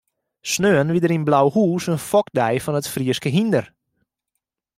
Sneon wie der yn Blauhûs in fokdei fan it Fryske hynder.